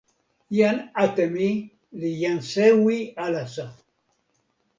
jan Atemi li jan sewi alasa.